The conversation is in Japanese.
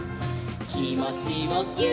「きもちをぎゅーっ」